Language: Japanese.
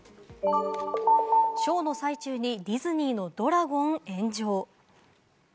ショーの最中にディズニーのドラゴン炎上。